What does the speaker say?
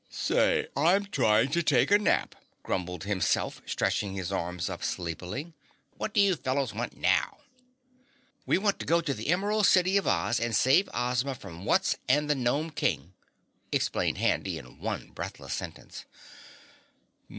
"Say, I'm trying to take a nap," grumbled Himself, stretching his arms up sleepily. "What do you fellows want now?" "We want to go to the Emerald City of Oz and save Ozma from Wutz and the Gnome King!" explained Handy in one breathless sentence.